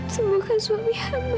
sembukan suami hamba